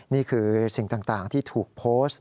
นี่คือสิ่งต่างที่ถูกโพสต์